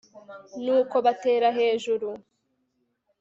nuko batera hejuru